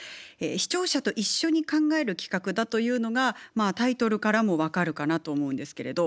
視聴者と一緒に考える企画だというのがタイトルからも分かるかなと思うんですけれど。